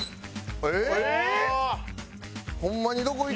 えっ？